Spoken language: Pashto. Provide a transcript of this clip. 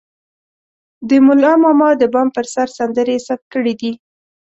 د ملا ماما د بام پر سر سندرې يې ثبت کړې دي.